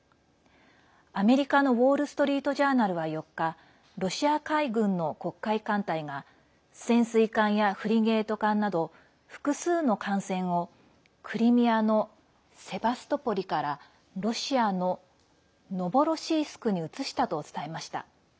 アメリカのウォール・ストリート・ジャーナルは４日ロシア海軍の黒海艦隊が潜水艦やフリゲート艦など複数の艦船をクリミアのセバストポリからロシアのノボロシースクに移したと伝えました。